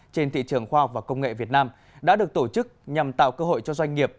trên thị trường khoa học và công nghệ việt nam đã được tổ chức nhằm tạo cơ hội cho doanh nghiệp